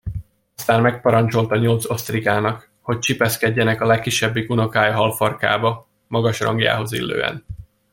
Aztán megparancsolta nyolc osztrigának, hogy csipeszkedjenek a legkisebbik unokája halfarkába, magas rangjához illően.